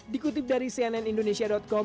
dikutip dari cnn indonesia com